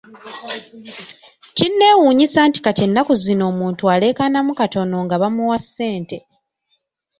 Kinnewunyisa nti kati ennaku zino omuntu aleekanamu katono nga bamuwa ssente.